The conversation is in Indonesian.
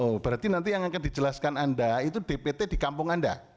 oh berarti nanti yang akan dijelaskan anda itu dpt di kampung anda